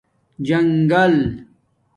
جنگل